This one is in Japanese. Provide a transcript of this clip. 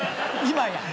今や。